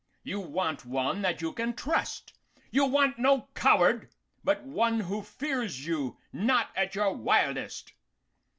You want one that you can trust; you want no coward, but one who fears you not at your wildest.